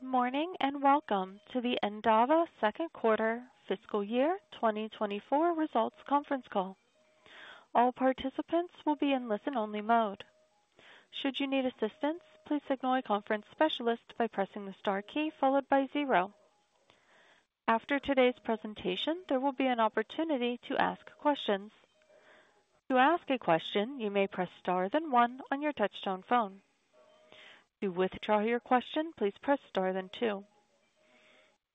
Good morning and welcome to the Endava Second Quarter Fiscal Year 2024 Results Conference Call. All participants will be in listen-only mode. Should you need assistance, please signal a conference specialist by pressing the star key followed by zero. After today's presentation, there will be an opportunity to ask questions. To ask a question, you may press star then one on your touch-tone phone. To withdraw your question, please press star then two.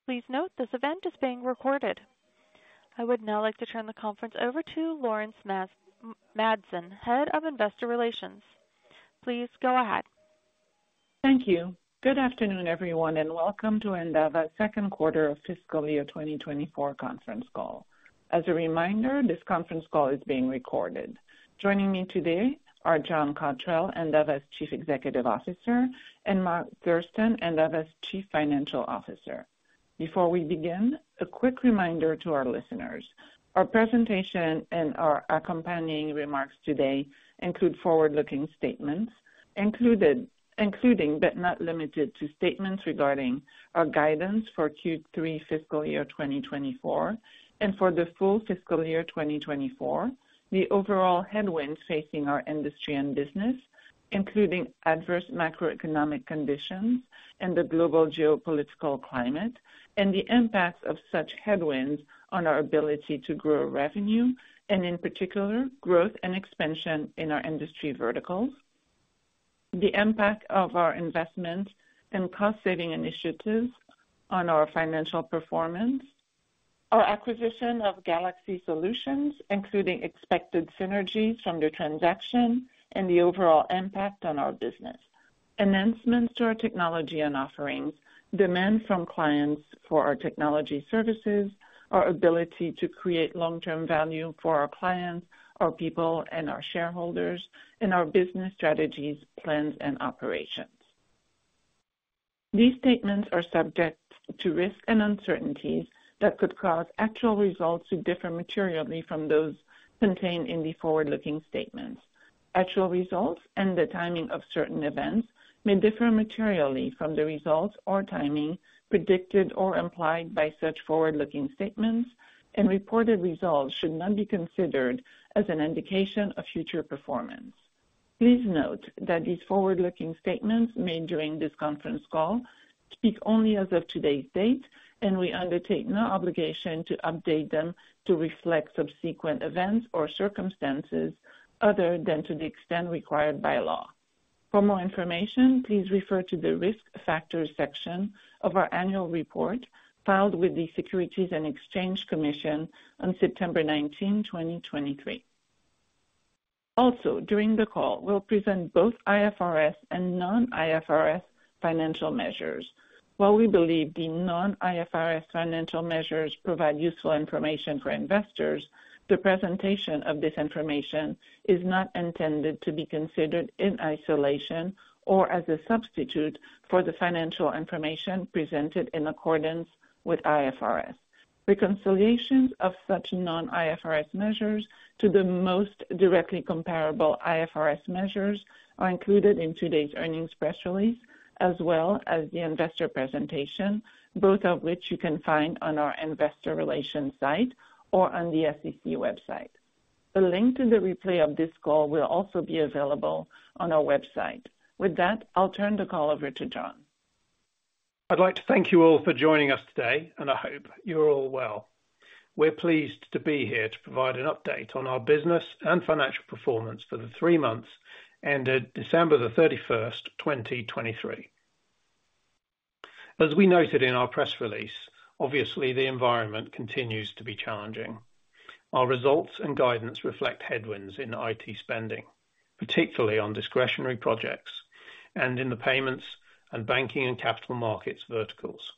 Please note this event is being recorded. I would now like to turn the conference over to Laurence Madsen, head of investor relations. Please go ahead. Thank you. Good afternoon, everyone, and welcome to Endava's Second Quarter of Fiscal Year 2024 Conference Call. As a reminder, this conference call is being recorded. Joining me today are John Cotterell, Endava's Chief Executive Officer, and Mark Thurston, Endava's Chief Financial Officer. Before we begin, a quick reminder to our listeners: our presentation and our accompanying remarks today include forward-looking statements, including but not limited to statements regarding our guidance for Q3 fiscal year 2024 and for the full fiscal year 2024, the overall headwinds facing our industry and business, including adverse macroeconomic conditions and the global geopolitical climate, and the impacts of such headwinds on our ability to grow revenue and, in particular, growth and expansion in our industry verticals, the impact of our investment and cost-saving initiatives on our financial performance, our acquisition of GalaxE.Solutions, including expected synergies from their transaction and the overall impact on our business, announcements to our technology and offerings, demand from clients for our technology services, our ability to create long-term value for our clients, our people, and our shareholders, and our business strategies, plans, and operations. These statements are subject to risk and uncertainties that could cause actual results to differ materially from those contained in the forward-looking statements. Actual results and the timing of certain events may differ materially from the results or timing predicted or implied by such forward-looking statements, and reported results should not be considered as an indication of future performance. Please note that these forward-looking statements made during this conference call speak only as of today's date, and we undertake no obligation to update them to reflect subsequent events or circumstances other than to the extent required by law. For more information, please refer to the risk factors section of our annual report filed with the Securities and Exchange Commission on September 19, 2023. Also, during the call, we'll present both IFRS and non-IFRS financial measures. While we believe the non-IFRS financial measures provide useful information for investors, the presentation of this information is not intended to be considered in isolation or as a substitute for the financial information presented in accordance with IFRS. Reconciliations of such non-IFRS measures to the most directly comparable IFRS measures are included in today's earnings press release as well as the investor presentation, both of which you can find on our investor relations site or on the SEC website. The link to the replay of this call will also be available on our website. With that, I'll turn the call over to John. I'd like to thank you all for joining us today, and I hope you're all well. We're pleased to be here to provide an update on our business and financial performance for the three months ended December 31st, 2023. As we noted in our press release, obviously the environment continues to be challenging. Our results and guidance reflect headwinds in IT spending, particularly on discretionary projects and in the payments and banking and capital markets verticals.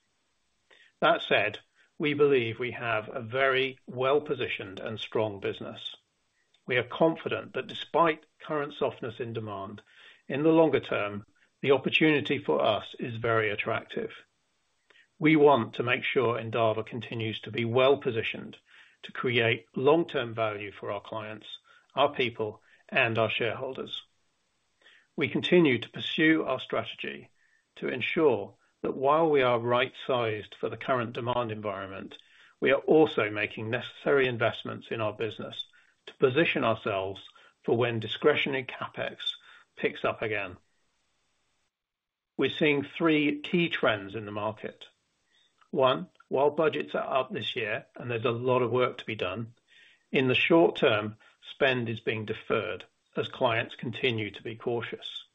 That said, we believe we have a very well-positioned and strong business. We are confident that despite current softness in demand, in the longer term, the opportunity for us is very attractive. We want to make sure Endava continues to be well-positioned to create long-term value for our clients, our people, and our shareholders. We continue to pursue our strategy to ensure that while we are right-sized for the current demand environment, we are also making necessary investments in our business to position ourselves for when discretionary CapEx picks up again. We're seeing three key trends in the market. One, while budgets are up this year and there's a lot of work to be done, in the short term, spend is being deferred as clients continue to be cautious.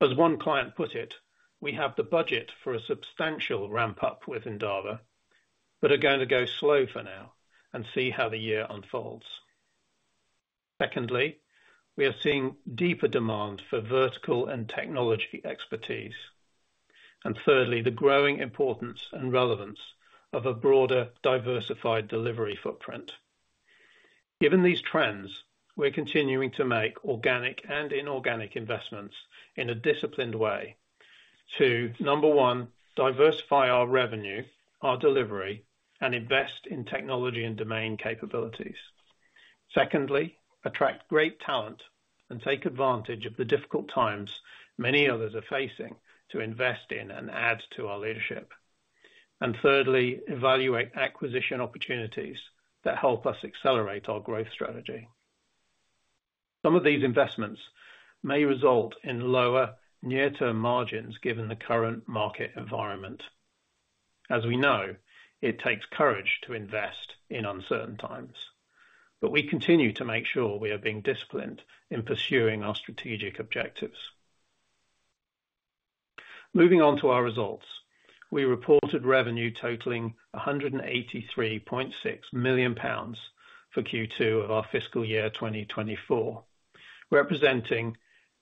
As one client put it, "We have the budget for a substantial ramp-up with Endava, but are going to go slow for now and see how the year unfolds." Secondly, we are seeing deeper demand for vertical and technology expertise. And thirdly, the growing importance and relevance of a broader diversified delivery footprint. Given these trends, we're continuing to make organic and inorganic investments in a disciplined way to, number one, diversify our revenue, our delivery, and invest in technology and domain capabilities. Secondly, attract great talent and take advantage of the difficult times many others are facing to invest in and add to our leadership. And thirdly, evaluate acquisition opportunities that help us accelerate our growth strategy. Some of these investments may result in lower near-term margins given the current market environment. As we know, it takes courage to invest in uncertain times, but we continue to make sure we are being disciplined in pursuing our strategic objectives. Moving on to our results, we reported revenue totaling 183.6 million pounds for Q2 of our fiscal year 2024, representing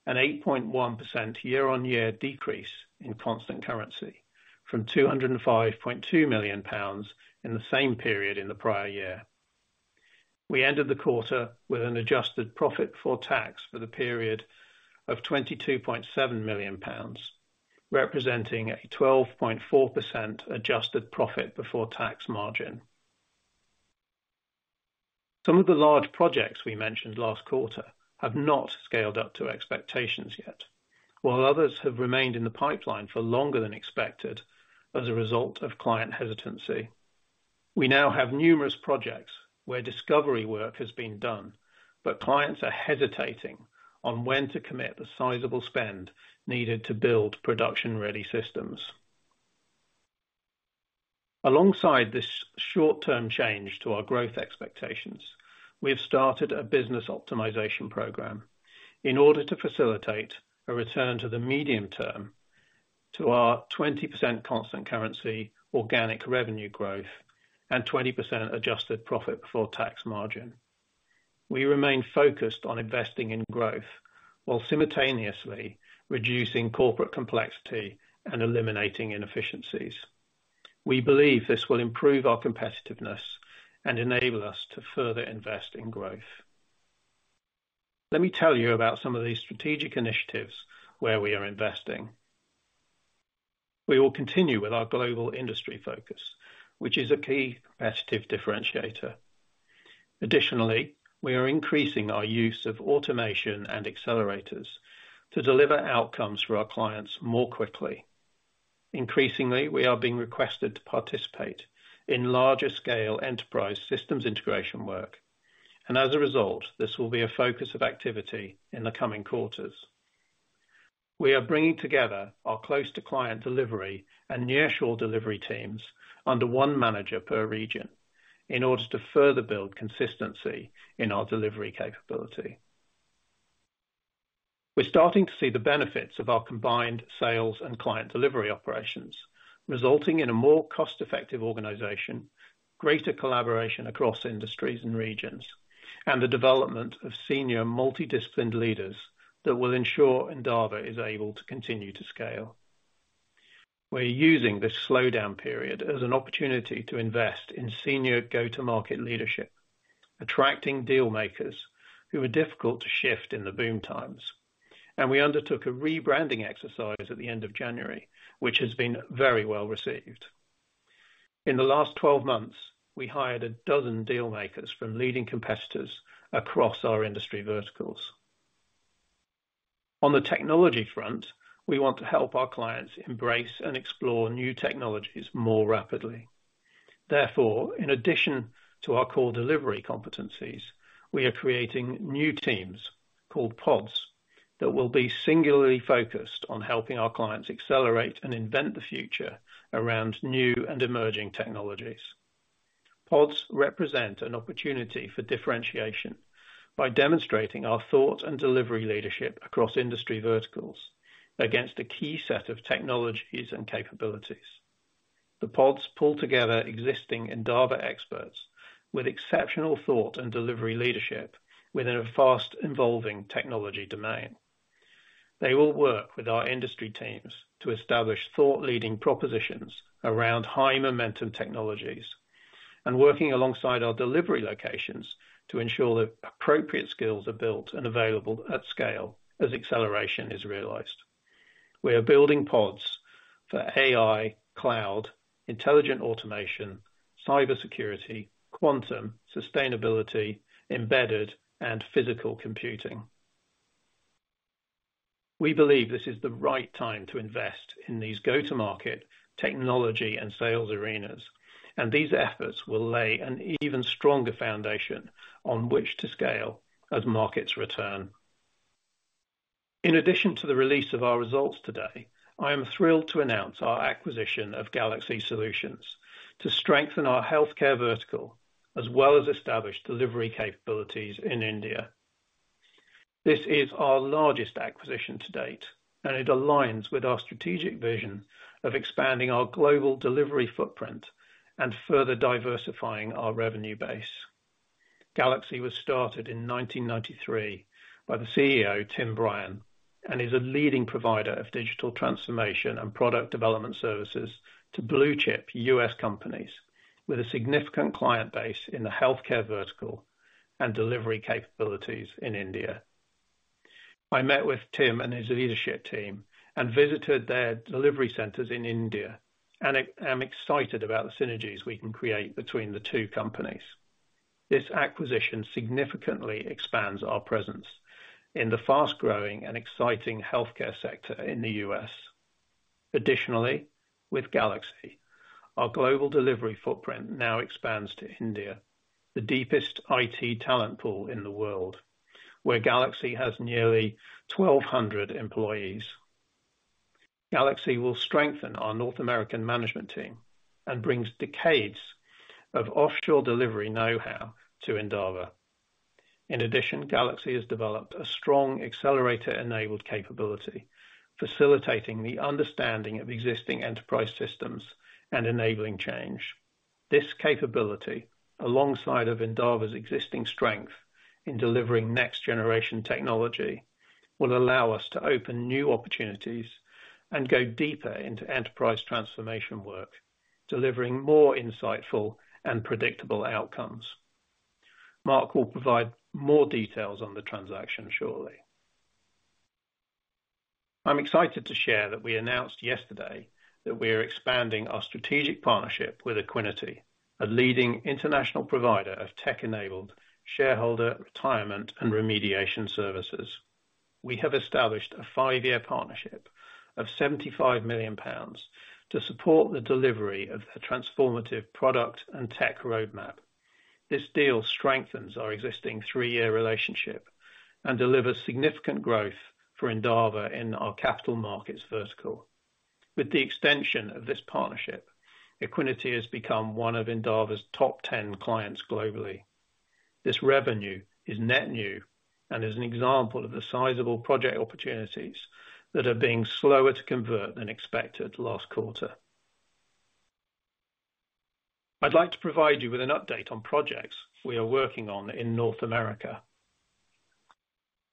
an 8.1% year-on-year decrease in constant currency from 205.2 million pounds in the same period in the prior year. We ended the quarter with an adjusted profit before tax for the period of 22.7 million pounds, representing a 12.4% adjusted profit before tax margin. Some of the large projects we mentioned last quarter have not scaled up to expectations yet, while others have remained in the pipeline for longer than expected as a result of client hesitancy. We now have numerous projects where discovery work has been done, but clients are hesitating on when to commit the sizable spend needed to build production-ready systems. Alongside this short-term change to our growth expectations, we have started a business optimization program in order to facilitate a return to the medium term to our 20% constant currency organic revenue growth and 20% adjusted profit before tax margin. We remain focused on investing in growth while simultaneously reducing corporate complexity and eliminating inefficiencies. We believe this will improve our competitiveness and enable us to further invest in growth. Let me tell you about some of these strategic initiatives where we are investing. We will continue with our global industry focus, which is a key competitive differentiator. Additionally, we are increasing our use of automation and accelerators to deliver outcomes for our clients more quickly. Increasingly, we are being requested to participate in larger-scale enterprise systems integration work, and as a result, this will be a focus of activity in the coming quarters. We are bringing together our close-to-client delivery and near-shore delivery teams under one manager per region in order to further build consistency in our delivery capability. We're starting to see the benefits of our combined sales and client delivery operations, resulting in a more cost-effective organization, greater collaboration across industries and regions, and the development of senior multidisciplinary leaders that will ensure Endava is able to continue to scale. We're using this slowdown period as an opportunity to invest in senior go-to-market leadership, attracting dealmakers who are difficult to shift in the boom times. We undertook a rebranding exercise at the end of January, which has been very well received. In the last 12 months, we hired a dozen dealmakers from leading competitors across our industry verticals. On the technology front, we want to help our clients embrace and explore new technologies more rapidly. Therefore, in addition to our core delivery competencies, we are creating new teams called pods that will be singularly focused on helping our clients accelerate and invent the future around new and emerging technologies. Pods represent an opportunity for differentiation by demonstrating our thought and delivery leadership across industry verticals against a key set of technologies and capabilities. The pods pull together existing Endava experts with exceptional thought and delivery leadership within a fast-evolving technology domain. They will work with our industry teams to establish thought-leading propositions around high-momentum technologies and working alongside our delivery locations to ensure that appropriate skills are built and available at scale as acceleration is realized. We are building pods for AI, cloud, intelligent automation, cybersecurity, quantum, sustainability, embedded, and physical computing. We believe this is the right time to invest in these go-to-market technology and sales arenas, and these efforts will lay an even stronger foundation on which to scale as markets return. In addition to the release of our results today, I am thrilled to announce our acquisition of GalaxE.Solutions to strengthen our healthcare vertical as well as establish delivery capabilities in India. This is our largest acquisition to date, and it aligns with our strategic vision of expanding our global delivery footprint and further diversifying our revenue base. GalaxE.Solutions was started in 1993 by the CEO, Tim Bryan, and is a leading provider of digital transformation and product development services to blue-chip U.S. companies with a significant client base in the healthcare vertical and delivery capabilities in India. I met with Tim and his leadership team and visited their delivery centers in India and am excited about the synergies we can create between the two companies. This acquisition significantly expands our presence in the fast-growing and exciting healthcare sector in the U.S. Additionally, with GalaxE.Solutions, our global delivery footprint now expands to India, the deepest IT talent pool in the world, where GalaxE.Solutions has nearly 1,200 employees. GalaxE.Solutions will strengthen our North American management team and brings decades of offshore delivery know-how to Endava. In addition, GalaxE.Solutions has developed a strong accelerator-enabled capability facilitating the understanding of existing enterprise systems and enabling change. This capability, alongside Endava's existing strength in delivering next-generation technology, will allow us to open new opportunities and go deeper into enterprise transformation work, delivering more insightful and predictable outcomes. Mark will provide more details on the transaction shortly. I'm excited to share that we announced yesterday that we are expanding our strategic partnership with Equiniti, a leading international provider of tech-enabled shareholder retirement and remediation services. We have established a five-year partnership of 75 million pounds to support the delivery of a transformative product and tech roadmap. This deal strengthens our existing three-year relationship and delivers significant growth for Endava in our capital markets vertical. With the extension of this partnership, Equiniti has become one of Endava's top 10 clients globally. This revenue is net new and is an example of the sizable project opportunities that are being slower to convert than expected last quarter. I'd like to provide you with an update on projects we are working on in North America.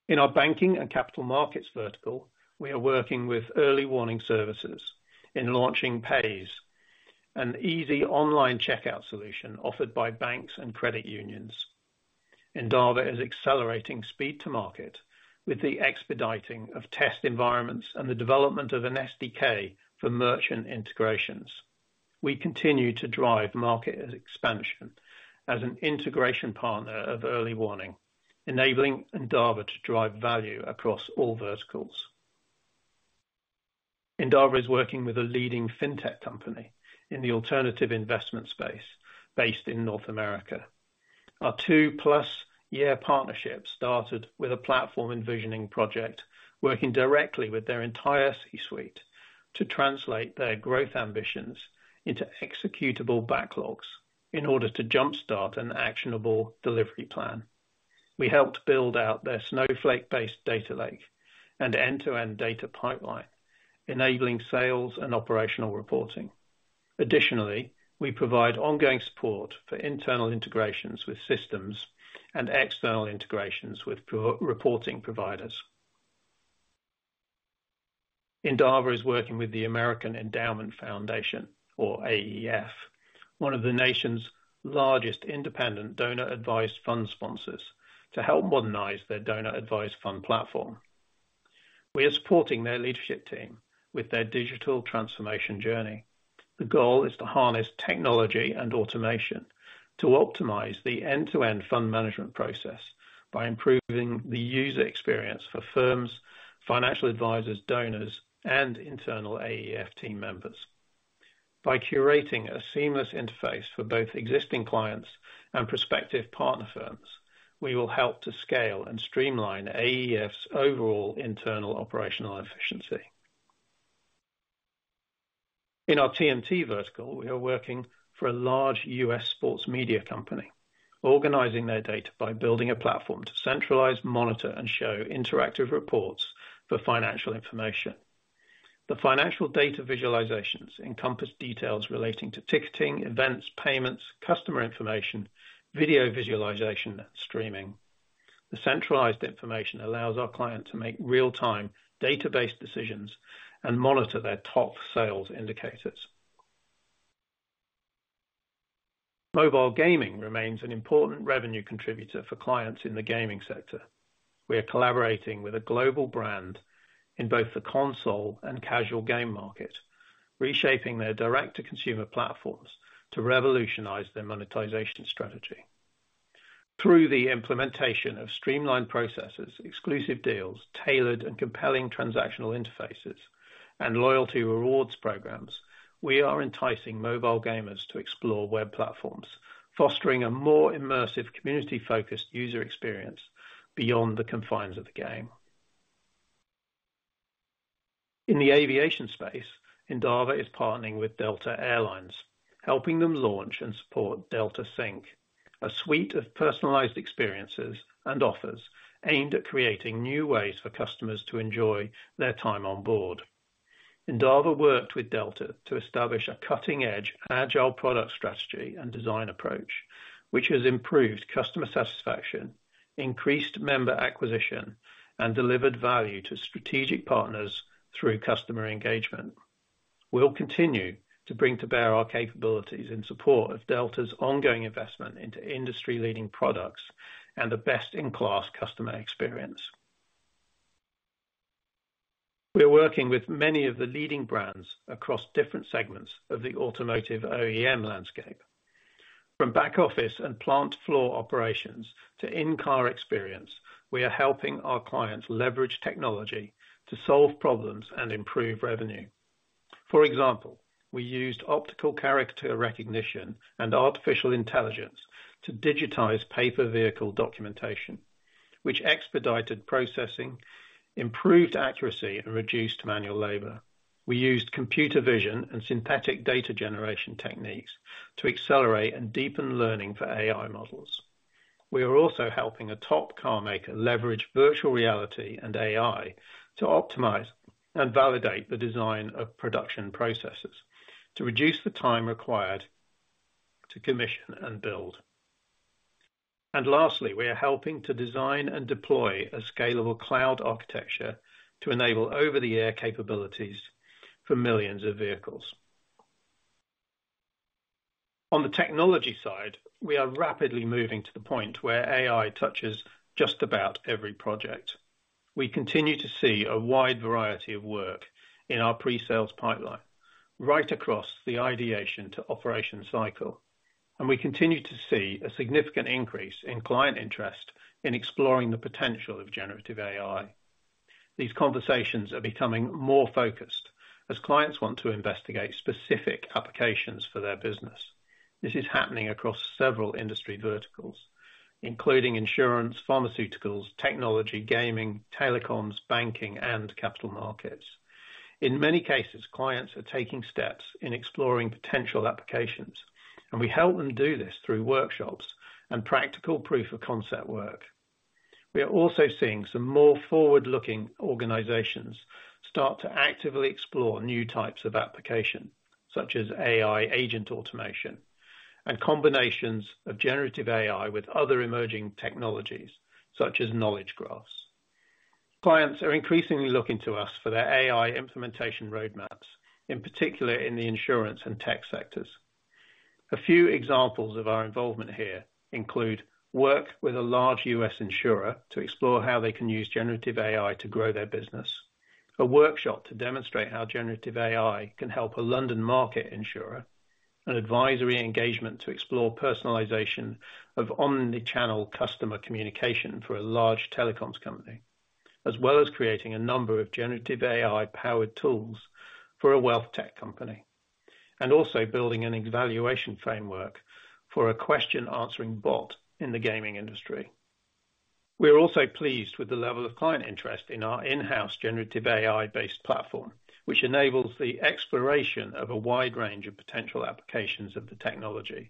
In our banking and capital markets vertical, we are working with Early Warning Services in launching Paze, an easy online checkout solution offered by banks and credit unions. Endava is accelerating speed to market with the expediting of test environments and the development of an SDK for merchant integrations. We continue to drive market expansion as an integration partner of Early Warning Services, enabling Endava to drive value across all verticals. Endava is working with a leading fintech company in the alternative investment space based in North America. Our 2+ year partnership started with a platform envisioning project working directly with their entire C-suite to translate their growth ambitions into executable backlogs in order to jumpstart an actionable delivery plan. We helped build out their Snowflake-based data lake and end-to-end data pipeline, enabling sales and operational reporting. Additionally, we provide ongoing support for internal integrations with systems and external integrations with reporting providers. Endava is working with the American Endowment Foundation, or AEF, one of the nation's largest independent donor-advised fund sponsors, to help modernize their donor-advised fund platform. We are supporting their leadership team with their digital transformation journey. The goal is to harness technology and automation to optimize the end-to-end fund management process by improving the user experience for firms, financial advisors, donors, and internal AEF team members. By curating a seamless interface for both existing clients and prospective partner firms, we will help to scale and streamline AEF's overall internal operational efficiency. In our TMT vertical, we are working for a large U.S. sports media company, organizing their data by building a platform to centralize, monitor, and show interactive reports for financial information. The financial data visualizations encompass details relating to ticketing, events, payments, customer information, video visualization, and streaming. The centralized information allows our clients to make real-time database decisions and monitor their top sales indicators. Mobile gaming remains an important revenue contributor for clients in the gaming sector. We are collaborating with a global brand in both the console and casual game market, reshaping their direct-to-consumer platforms to revolutionize their monetization strategy. Through the implementation of streamlined processes, exclusive deals, tailored and compelling transactional interfaces, and loyalty rewards programs, we are enticing mobile gamers to explore web platforms, fostering a more immersive, community-focused user experience beyond the confines of the game. In the aviation space, Endava is partnering with Delta Air Lines, helping them launch and support Delta Sync, a suite of personalized experiences and offers aimed at creating new ways for customers to enjoy their time on board. Endava worked with Delta to establish a cutting-edge, agile product strategy and design approach, which has improved customer satisfaction, increased member acquisition, and delivered value to strategic partners through customer engagement. We'll continue to bring to bear our capabilities in support of Delta's ongoing investment into industry-leading products and the best-in-class customer experience. We are working with many of the leading brands across different segments of the automotive OEM landscape. From back office and plant floor operations to in-car experience, we are helping our clients leverage technology to solve problems and improve revenue. For example, we used optical character recognition and artificial intelligence to digitize paper vehicle documentation, which expedited processing, improved accuracy, and reduced manual labour. We used computer vision and synthetic data generation techniques to accelerate and deepen learning for AI models. We are also helping a top car maker leverage virtual reality and AI to optimize and validate the design of production processes to reduce the time required to commission and build. Lastly, we are helping to design and deploy a scalable cloud architecture to enable over-the-air capabilities for millions of vehicles. On the technology side, we are rapidly moving to the point where AI touches just about every project. We continue to see a wide variety of work in our pre-sales pipeline right across the ideation to operation cycle, and we continue to see a significant increase in client interest in exploring the potential of generative AI. These conversations are becoming more focused as clients want to investigate specific applications for their business. This is happening across several industry verticals, including insurance, pharmaceuticals, technology, gaming, telecoms, banking, and capital markets. In many cases, clients are taking steps in exploring potential applications, and we help them do this through workshops and practical proof-of-concept work. We are also seeing some more forward-looking organizations start to actively explore new types of application, such as AI agent automation and combinations of generative AI with other emerging technologies, such as knowledge graphs. Clients are increasingly looking to us for their AI implementation roadmaps, in particular in the insurance and tech sectors. A few examples of our involvement here include work with a large U.S. insurer to explore how they can use generative AI to grow their business, a workshop to demonstrate how generative AI can help a London market insurer, an advisory engagement to explore personalization of omnichannel customer communication for a large telecoms company, as well as creating a number of generative AI-powered tools for a wealth tech company, and also building an evaluation framework for a question-answering bot in the gaming industry. We are also pleased with the level of client interest in our in-house generative AI-based platform, which enables the exploration of a wide range of potential applications of the technology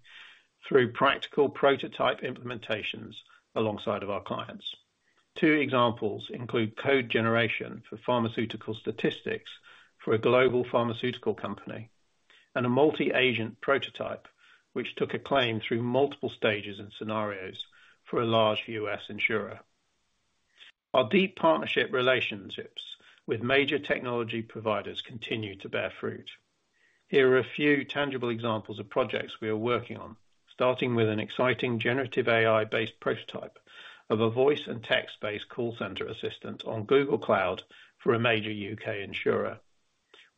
through practical prototype implementations alongside our clients. Two examples include code generation for pharmaceutical statistics for a global pharmaceutical company and a multi-agent prototype which took acclaim through multiple stages and scenarios for a large U.S. insurer. Our deep partnership relationships with major technology providers continue to bear fruit. Here are a few tangible examples of projects we are working on, starting with an exciting generative AI-based prototype of a voice and text-based call center assistant on Google Cloud for a major U.K. insurer.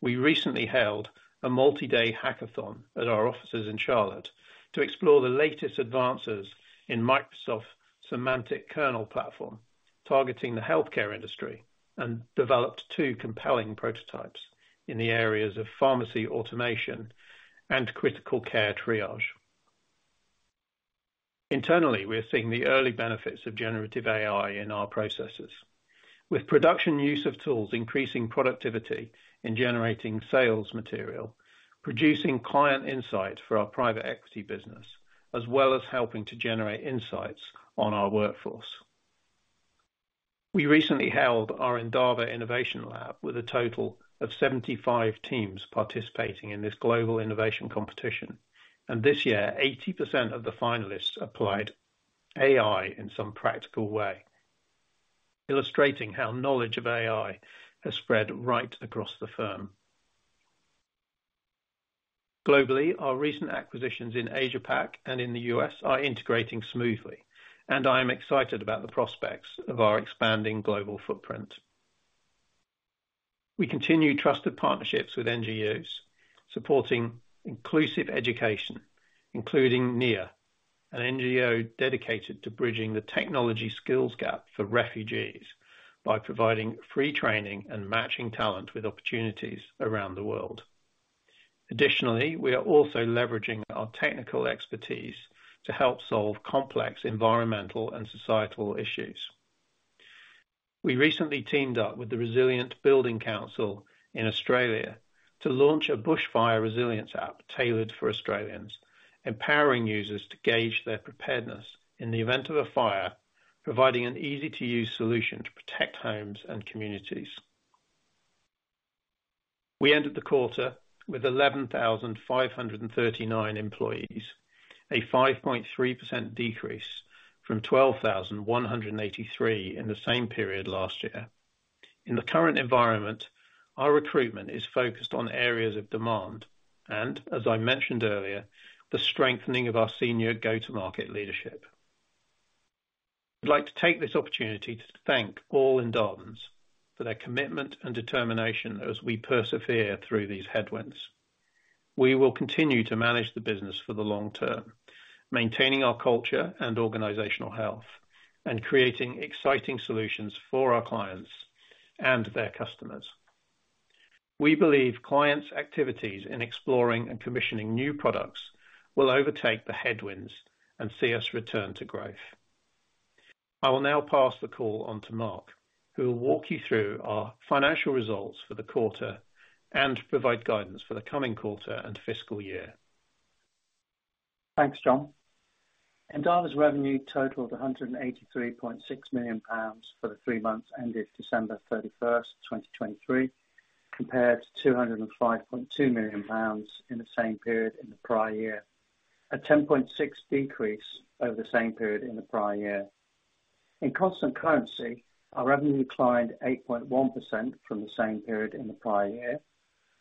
We recently held a multi-day hackathon at our offices in Charlotte to explore the latest advances in Microsoft Semantic Kernel platform targeting the healthcare industry and developed two compelling prototypes in the areas of pharmacy automation and critical care triage. Internally, we are seeing the early benefits of generative AI in our processes, with production use of tools increasing productivity in generating sales material, producing client insight for our private Equiniti business, as well as helping to generate insights on our workforce. We recently held our Endava Innovation Lab with a total of 75 teams participating in this global innovation competition, and this year, 80% of the finalists applied AI in some practical way, illustrating how knowledge of AI has spread right across the firm. Globally, our recent acquisitions in Asia-Pac and in the U.S. are integrating smoothly, and I am excited about the prospects of our expanding global footprint. We continue trusted partnerships with NGOs supporting inclusive education, including Na'amal, an NGO dedicated to bridging the technology skills gap for refugees by providing free training and matching talent with opportunities around the world. Additionally, we are also leveraging our technical expertise to help solve complex environmental and societal issues. We recently teamed up with the Resilient Building Council in Australia to launch a bushfire resilience app tailored for Australians, empowering users to gauge their preparedness in the event of a fire, providing an easy-to-use solution to protect homes and communities. We ended the quarter with 11,539 employees, a 5.3% decrease from 12,183 in the same period last year. In the current environment, our recruitment is focused on areas of demand and, as I mentioned earlier, the strengthening of our senior go-to-market leadership. I'd like to take this opportunity to thank all Endavans for their commitment and determination as we persevere through these headwinds. We will continue to manage the business for the long term, maintaining our culture and organizational health, and creating exciting solutions for our clients and their customers. We believe clients' activities in exploring and commissioning new products will overtake the headwinds and see us return to growth. I will now pass the call on to Mark, who will walk you through our financial results for the quarter and provide guidance for the coming quarter and fiscal year. Thanks, John. Endava's revenue totaled GBP 183.6 million for the three months ended December 31st, 2023, compared to 205.2 million pounds in the same period in the prior year, a 10.6% decrease over the same period in the prior year. In constant currency, our revenue declined 8.1% from the same period in the prior year,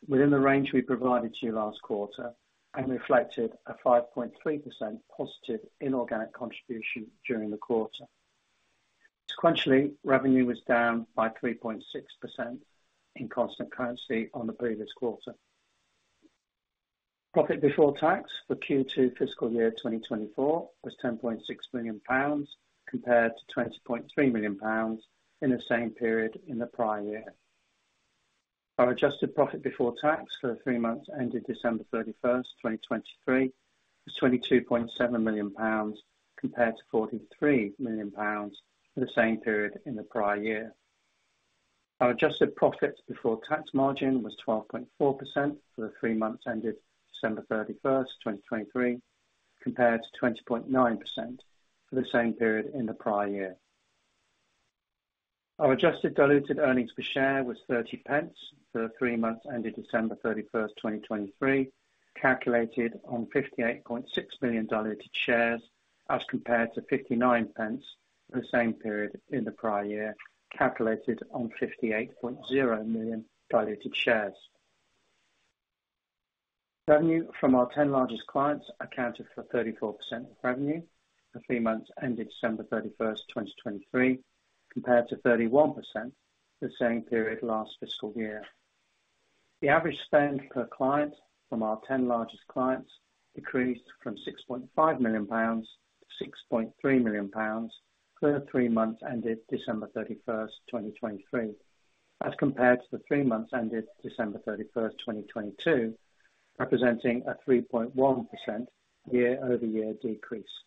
within the range we provided to you last quarter, and reflected a 5.3% positive inorganic contribution during the quarter. Sequentially, revenue was down by 3.6% in constant currency on the previous quarter. Profit before tax for Q2 fiscal year 2024 was 10.6 million pounds, compared to 20.3 million pounds in the same period in the prior year. Our adjusted profit before tax for the three months ended December 31st, 2023, was 22.7 million pounds, compared to 43 million pounds for the same period in the prior year. Our adjusted profit before tax margin was 12.4% for the three months ended December 31st, 2023, compared to 20.9% for the same period in the prior year. Our adjusted diluted earnings per share was 0.30 for the three months ended December 31st, 2023, calculated on 58.6 million diluted shares as compared to 0.59 for the same period in the prior year, calculated on 58.0 million diluted shares. Revenue from our 10 largest clients accounted for 34% of revenue for three months ended December 31st, 2023, compared to 31% for the same period last fiscal year. The average spend per client from our 10 largest clients decreased from 6.5 million pounds to 6.3 million pounds for the three months ended December 31st, 2023, as compared to the three months ended December 31st, 2022, representing a 3.1% year-over-year decrease.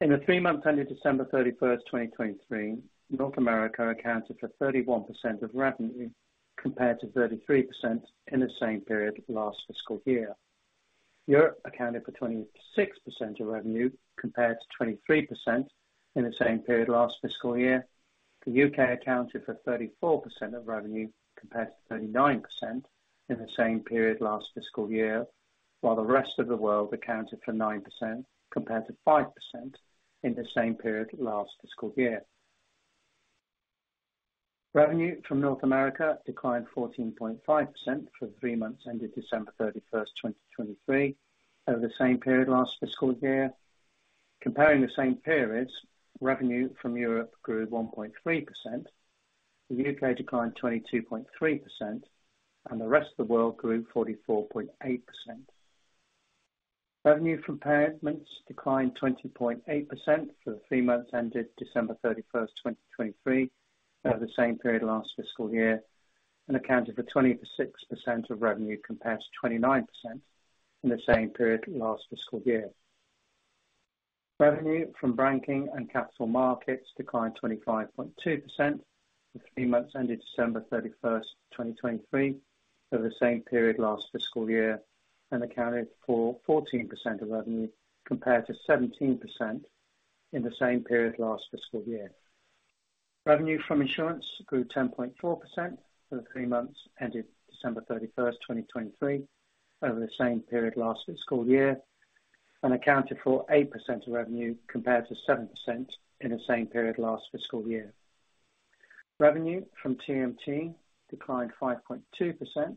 In the three months ended December 31st, 2023, North America accounted for 31% of revenue compared to 33% in the same period last fiscal year. Europe accounted for 26% of revenue compared to 23% in the same period last fiscal year. The U.K. accounted for 34% of revenue compared to 39% in the same period last fiscal year, while the rest of the world accounted for 9% compared to 5% in the same period last fiscal year. Revenue from North America declined 14.5% for the three months ended December 31st, 2023, over the same period last fiscal year. Comparing the same periods, revenue from Europe grew 1.3%, the U.K. declined 22.3%, and the rest of the world grew 44.8%. Revenue from payments declined 20.8% for the three months ended December 31st, 2023, over the same period last fiscal year and accounted for 26% of revenue compared to 29% in the same period last fiscal year. Revenue from banking and capital markets declined 25.2% for three months ended December 31st, 2023, over the same period last fiscal year and accounted for 14% of revenue compared to 17% in the same period last fiscal year. Revenue from insurance grew 10.4% for the three months ended December 31st, 2023, over the same period last fiscal year and accounted for 8% of revenue compared to 7% in the same period last fiscal year. Revenue from TMT declined 5.2%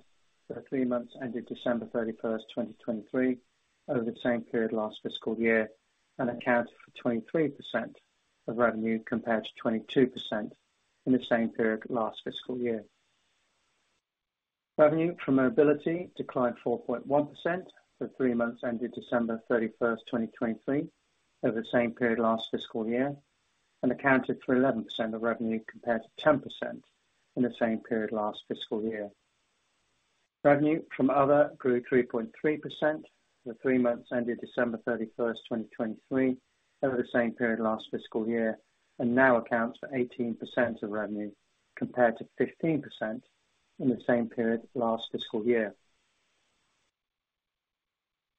for the three months ended December 31st, 2023, over the same period last fiscal year and accounted for 23% of revenue compared to 22% in the same period last fiscal year. Revenue from mobility declined 4.1% for three months ended December 31st, 2023, over the same period last fiscal year and accounted for 11% of revenue compared to 10% in the same period last fiscal year. Revenue from other grew 3.3% for the three months ended December 31st, 2023, over the same period last fiscal year and now accounts for 18% of revenue compared to 15% in the same period last fiscal year.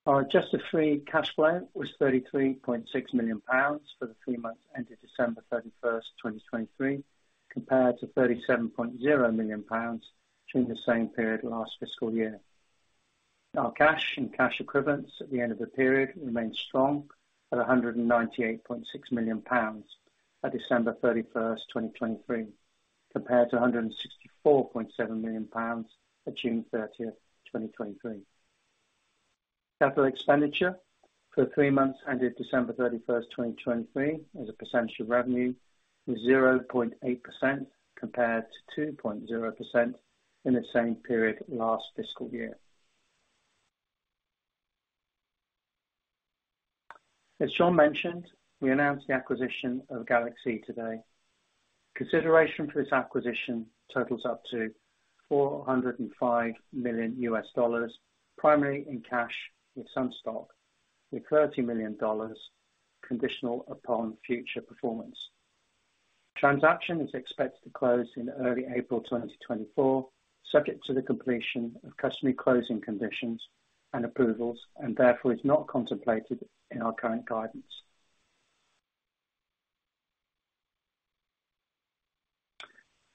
Our Adjusted Free Cash Flow was 33.6 million pounds for the three months ended December 31st, 2023, compared to 37.0 million pounds during the same period last fiscal year. Our cash and cash equivalents at the end of the period remained strong at 198.6 million pounds at December 31st, 2023, compared to 164.7 million pounds at June 30th, 2023. Capital expenditure for the three months ended December 31st, 2023, as a percentage of revenue was 0.8% compared to 2.0% in the same period last fiscal year. As John mentioned, we announced the acquisition of GalaxE.Solutions today. Consideration for this acquisition totals up to $405 million, primarily in cash with some stock, with $30 million conditional upon future performance. Transaction is expected to close in early April 2024, subject to the completion of customer closing conditions and approvals, and therefore is not contemplated in our current guidance.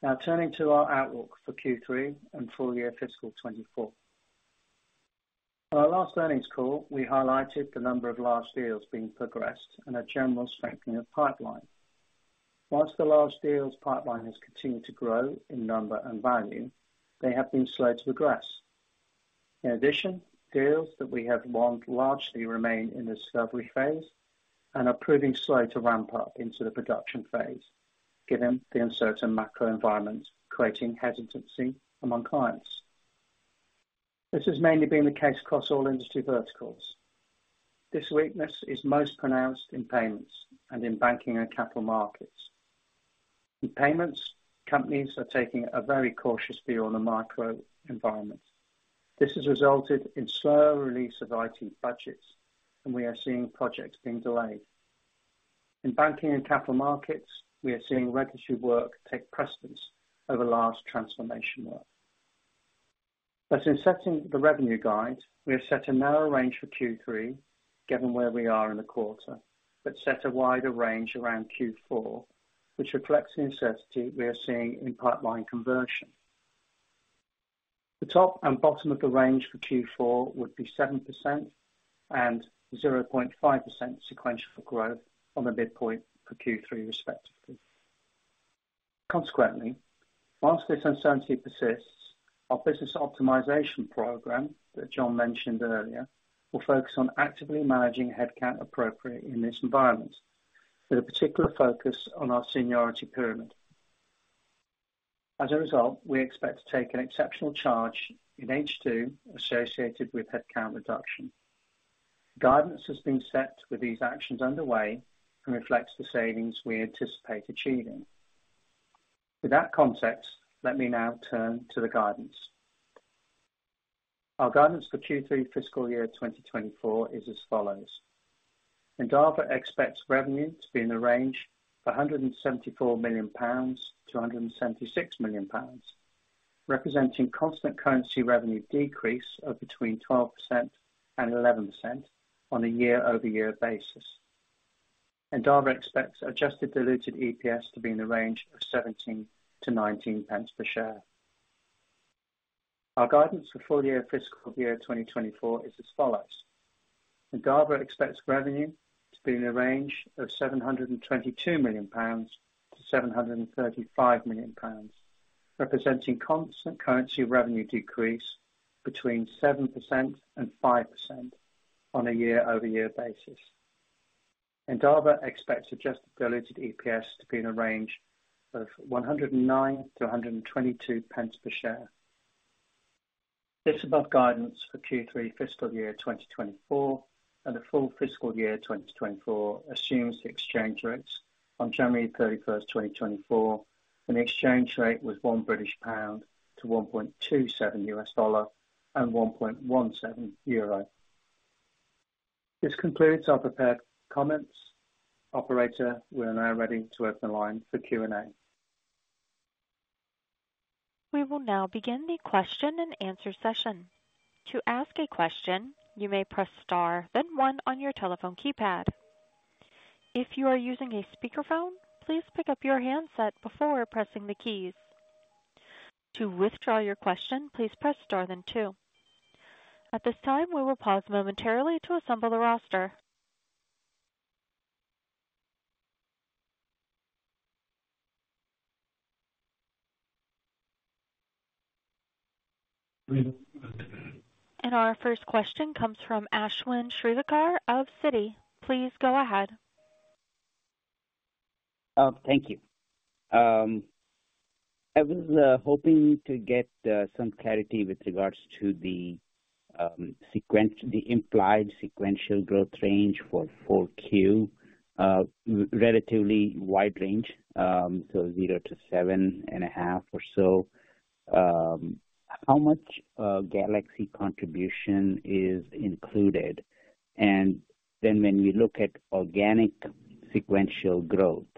Now, turning to our outlook for Q3 and full year fiscal 2024. On our last earnings call, we highlighted the number of large deals being progressed and a general strengthening of pipeline. While the large deals pipeline has continued to grow in number and value, they have been slow to progress. In addition, deals that we have won largely remain in the discovery phase and are proving slow to ramp up into the production phase, given the uncertain macro environment creating hesitancy among clients. This has mainly been the case across all industry verticals. This weakness is most pronounced in payments and in banking and capital markets. In payments, companies are taking a very cautious view on the macro environment. This has resulted in slower release of IT budgets, and we are seeing projects being delayed. In banking and capital markets, we are seeing regulatory work take precedence over large transformation work. But in setting the revenue guide, we have set a narrower range for Q3, given where we are in the quarter, but set a wider range around Q4, which reflects the uncertainty we are seeing in pipeline conversion. The top and bottom of the range for Q4 would be 7% and 0.5% sequential growth on the midpoint for Q3, respectively. Consequently, while this uncertainty persists, our business optimization program that John mentioned earlier will focus on actively managing headcount appropriately in this environment, with a particular focus on our seniority pyramid. As a result, we expect to take an exceptional charge in H2 associated with headcount reduction. Guidance has been set with these actions underway and reflects the savings we anticipate achieving. With that context, let me now turn to the guidance. Our guidance for Q3 fiscal year 2024 is as follows. Endava expects revenue to be in the range of 174 million-176 million pounds, representing constant currency revenue decrease of between 12% and 11% on a year-over-year basis. Endava expects adjusted diluted EPS to be in the range of 0.17-0.19 per share. Our guidance for full year fiscal year 2024 is as follows. Endava expects revenue to be in the range of 722 million-735 million pounds, representing constant currency revenue decrease between 7% and 5% on a year-over-year basis. Endava expects adjusted diluted EPS to be in the range of 0.09-0.122 per share. The above guidance for Q3 fiscal year 2024 and the full fiscal year 2024 assumes the exchange rates on January 31st, 2024, and the exchange rate was GBP 1.07 and 1.17 euro. This concludes our prepared comments. Operator, we are now ready to open the line for Q&A. We will now begin the question and answer session. To ask a question, you may press star, then one on your telephone keypad. If you are using a speakerphone, please pick up your handset before pressing the keys. To withdraw your question, please press star, then two. At this time, we will pause momentarily to assemble the roster. And our first question comes from Ashwin Shirvaikar of Citi. Please go ahead. Thank you. I was hoping to get some clarity with regards to the implied sequential growth range for 4Q, relatively wide range, so 0-7.5 or so. How much GalaxE contribution is included? And then when we look at organic sequential growth,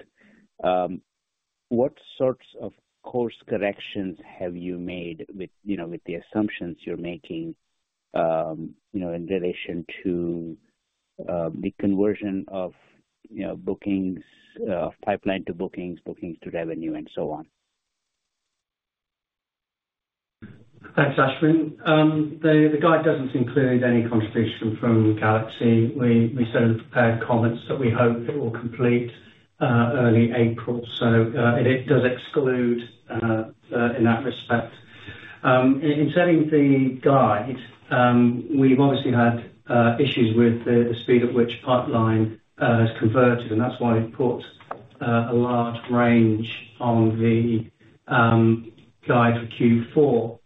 what sorts of course corrections have you made with the assumptions you're making in relation to the conversion of pipeline to bookings, bookings to revenue, and so on? Thanks, Ashwin. The guide doesn't include any contribution from GalaxE. We said in the prepared comments that we hope it will complete early April, so it does exclude in that respect. In setting the guide, we've obviously had issues with the speed at which pipeline has converted, and that's why we put a large range on the guide for Q4.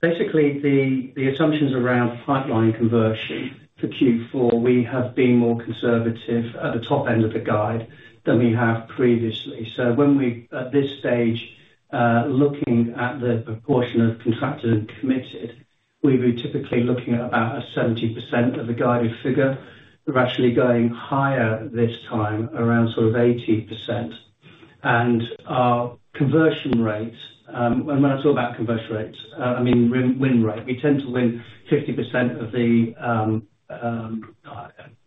Basically, the assumptions around pipeline conversion for Q4, we have been more conservative at the top end of the guide than we have previously. So when we're, at this stage, looking at the proportion of contracted and committed, we would typically be looking at about a 70% of the guided figure. We're actually going higher this time around sort of 80%. And our conversion rate and when I talk about conversion rate, I mean win rate. We tend to win 50% of the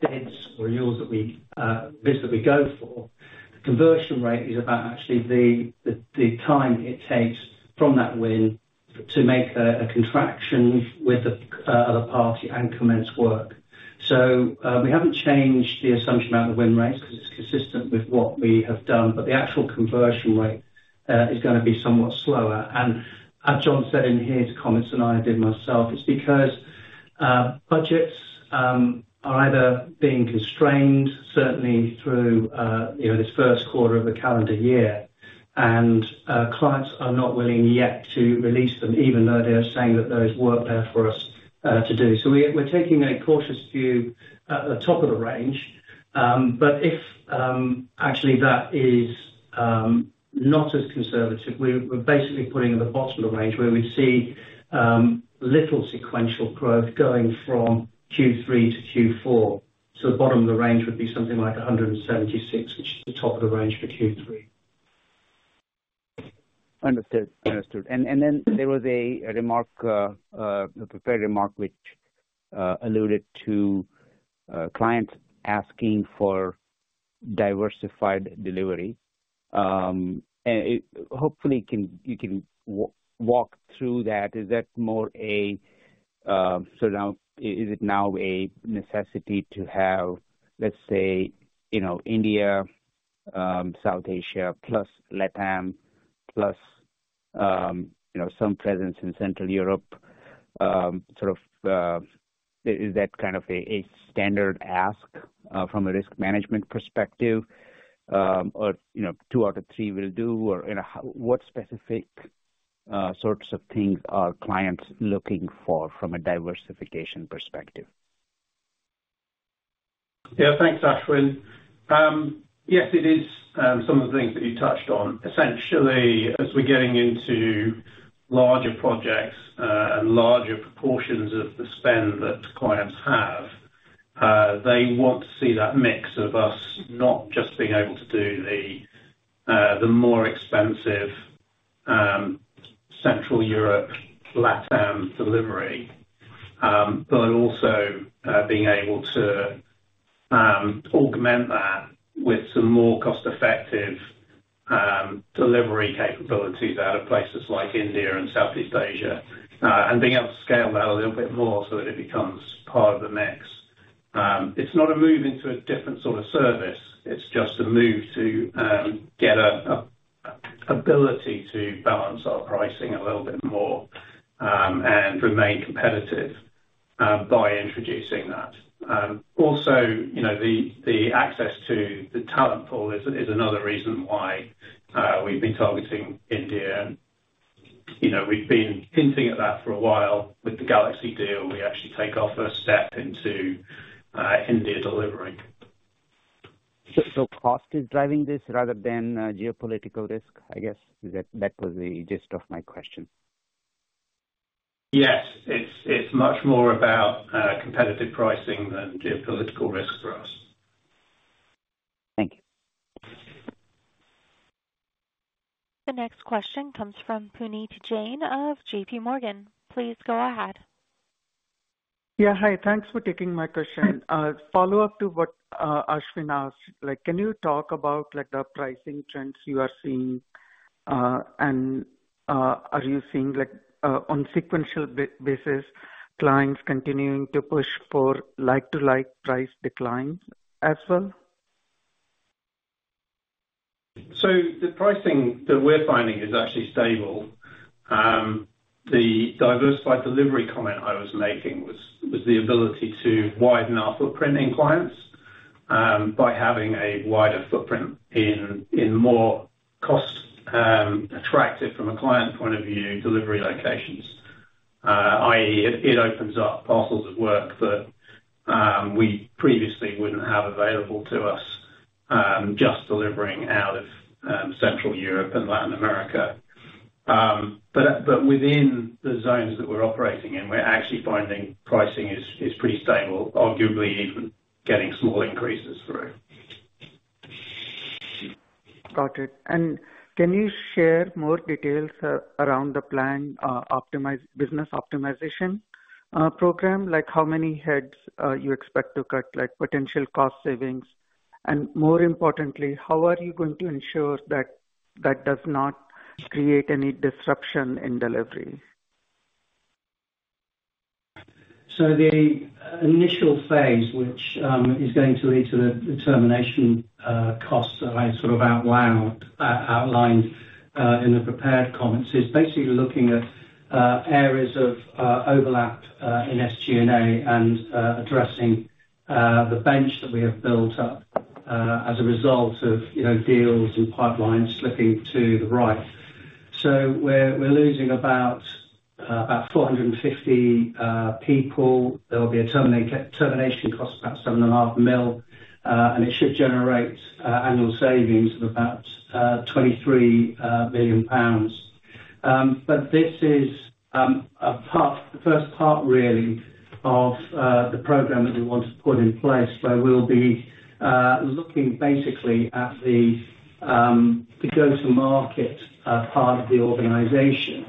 bids or yields that we go for. The conversion rate is about actually the time it takes from that win to make a contract with the other party and commence work. So we haven't changed the assumption about the win rate because it's consistent with what we have done, but the actual conversion rate is going to be somewhat slower. And as John said in his comments, and I did myself, it's because budgets are either being constrained, certainly through this first quarter of the calendar year, and clients are not willing yet to release them even though they are saying that there is work there for us to do. So we're taking a cautious view at the top of the range, but if actually that is not as conservative, we're basically putting at the bottom of the range where we'd see little sequential growth going from Q3 to Q4. The bottom of the range would be something like 176, which is the top of the range for Q3. Understood. Understood. And then there was a prepared remark which alluded to clients asking for diversified delivery. Hopefully, you can walk through that. Is that more a so is it now a necessity to have, let's say, India, South Asia plus LatAm plus some presence in Central Europe? Sort of is that kind of a standard ask from a risk management perspective? Or two out of three will do? Or what specific sorts of things are clients looking for from a diversification perspective? Yeah. Thanks, Ashwin. Yes, it is some of the things that you touched on. Essentially, as we're getting into larger projects and larger proportions of the spend that clients have, they want to see that mix of us not just being able to do the more expensive Central Europe LatAm delivery, but also being able to augment that with some more cost-effective delivery capabilities out of places like India and Southeast Asia and being able to scale that a little bit more so that it becomes part of the mix. It's not a move into a different sort of service. It's just a move to get an ability to balance our pricing a little bit more and remain competitive by introducing that. Also, the access to the talent pool is another reason why we've been targeting India. We've been hinting at that for a while. With the GalaxE deal, we actually take off a step into India delivering. So cost is driving this rather than geopolitical risk, I guess? That was the gist of my question. Yes. It's much more about competitive pricing than geopolitical risk for us. Thank you. The next question comes from Puneet Jain of J.P. Morgan. Please go ahead. Yeah. Hi. Thanks for taking my question. Follow up to what Ashwin asked, can you talk about the pricing trends you are seeing? And are you seeing, on a sequential basis, clients continuing to push for like-to-like price declines as well? The pricing that we're finding is actually stable. The diversified delivery comment I was making was the ability to widen our footprint in clients by having a wider footprint in more cost-attractive, from a client point of view, delivery locations, i.e., it opens up parcels of work that we previously wouldn't have available to us just delivering out of Central Europe and Latin America. Within the zones that we're operating in, we're actually finding pricing is pretty stable, arguably even getting small increases through. Got it. Can you share more details around the business optimization program? How many heads you expect to cut, potential cost savings? More importantly, how are you going to ensure that that does not create any disruption in delivery? So the initial phase, which is going to lead to the termination costs that I sort of outlined in the prepared comments, is basically looking at areas of overlap in SG&A and addressing the bench that we have built up as a result of deals and pipelines slipping to the right. So we're losing about 450 people. There will be a termination cost of about 7.5 million, and it should generate annual savings of about 23 million pounds. But this is the first part, really, of the program that we want to put in place where we'll be looking basically at the go-to-market part of the organization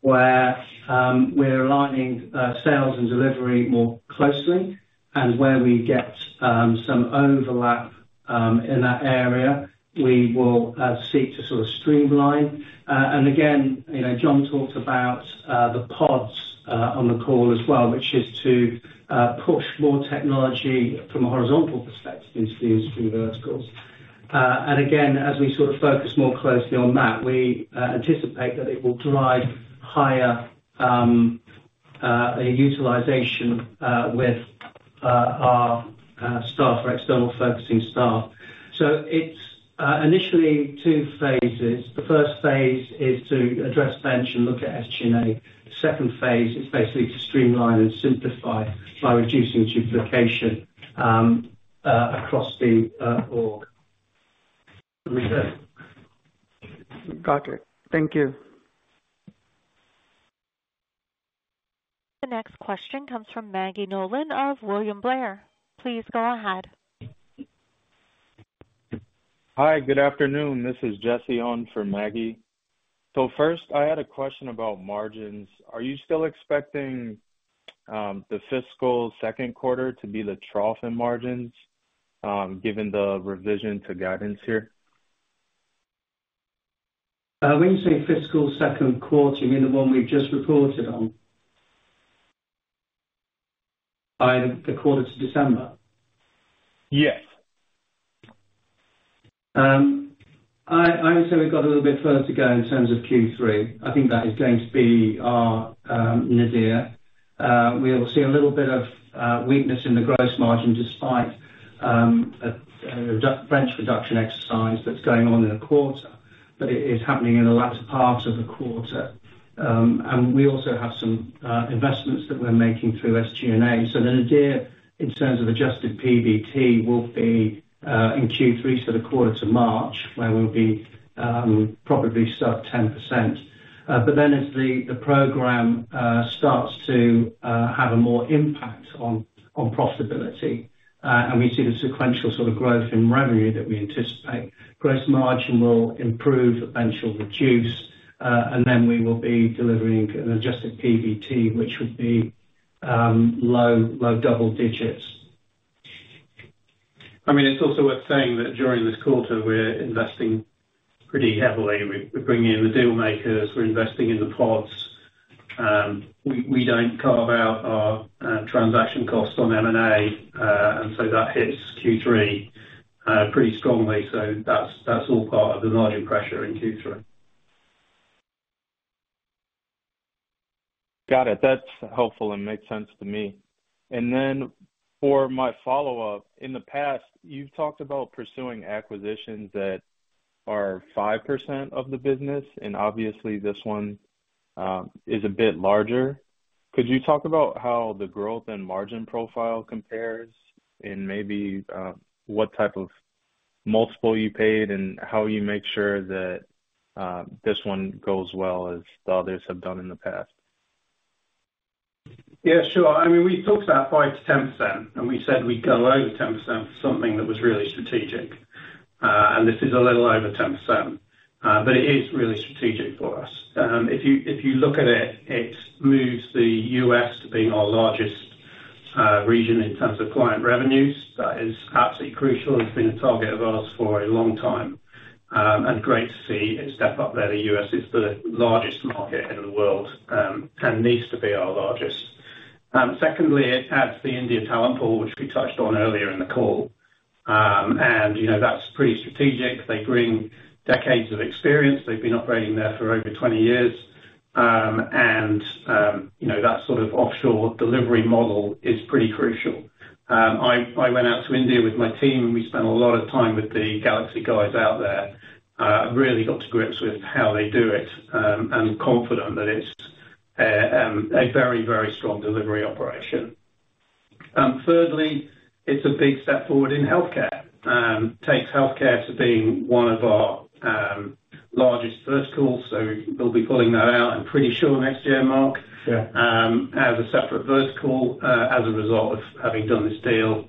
where we're aligning sales and delivery more closely. And where we get some overlap in that area, we will seek to sort of streamline. Again, John talked about the pods on the call as well, which is to push more technology from a horizontal perspective into the industry verticals. Again, as we sort of focus more closely on that, we anticipate that it will drive higher utilization with our staff, our external focusing staff. So it's initially two phases. The first phase is to address bench and look at SG&A. The second phase is basically to streamline and simplify by reducing duplication across the org. Got it. Thank you. The next question comes from Maggie Nolan of William Blair. Please go ahead. Hi. Good afternoon. This is Jesse on for Maggie. First, I had a question about margins. Are you still expecting the fiscal second quarter to be the trough in margins given the revision to guidance here? When you say fiscal second quarter, you mean the one we've just reported on? The quarter to December? Yes. I would say we've got a little bit further to go in terms of Q3. I think that is going to be our nadir. We will see a little bit of weakness in the gross margin despite a bench reduction exercise that's going on in the quarter, but it is happening in the latter part of the quarter. We also have some investments that we're making through SG&A. The nadir, in terms of Adjusted PBT, will be in Q3, so the quarter to March, where we'll be probably sub 10%. Then as the program starts to have a more impact on profitability and we see the sequential sort of growth in revenue that we anticipate, gross margin will improve, eventually reduce, and then we will be delivering an Adjusted PBT which would be low double digits. I mean, it's also worth saying that during this quarter, we're investing pretty heavily. We're bringing in the dealmakers. We're investing in the pods. We don't carve out our transaction costs on M&A, and so that hits Q3 pretty strongly. So that's all part of the margin pressure in Q3. Got it. That's helpful and makes sense to me. Then for my follow-up, in the past, you've talked about pursuing acquisitions that are 5% of the business, and obviously, this one is a bit larger. Could you talk about how the growth and margin profile compares and maybe what type of multiple you paid and how you make sure that this one goes well as the others have done in the past? Yeah. Sure. I mean, we've talked about 5%-10%, and we said we'd go over 10% for something that was really strategic. And this is a little over 10%, but it is really strategic for us. If you look at it, it moves the U.S. to being our largest region in terms of client revenues. That is absolutely crucial. It's been a target of ours for a long time. And great to see it step up there. The U.S. is the largest market in the world and needs to be our largest. Secondly, it adds the India talent pool, which we touched on earlier in the call. And that's pretty strategic. They bring decades of experience. They've been operating there for over 20 years. And that sort of offshore delivery model is pretty crucial. I went out to India with my team, and we spent a lot of time with the GalaxE guys out there. I really got to grips with how they do it and confident that it's a very, very strong delivery operation. Thirdly, it's a big step forward in healthcare. It takes healthcare to being one of our largest verticals. So we'll be pulling that out, I'm pretty sure, next year, Mark, as a separate vertical as a result of having done this deal.